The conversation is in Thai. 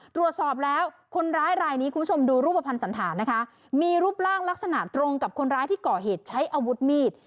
ตรวจสอบแล้วคนร้ายรายนี้คุณผู้ชมดูรูปภัณฑ์สันธารนะคะมีรูปร่างลักษณะตรงกับคนร้ายที่ก่อเหตุใช้อาวุธมีด